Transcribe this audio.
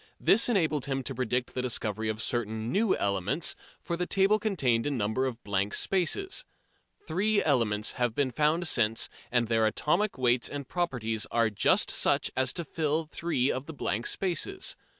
This enabled him to predict the discovery of certain new elements, for the table contained a number of blank spaces. Three elements have been found since, and their atomic weights and properties are just such as to fill three of the blank spaces.